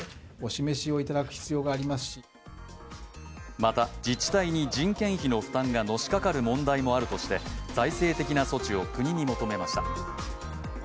また、自治体に人件費の負担がのしかかる問題もあるとして財政的な措置を国に求めました。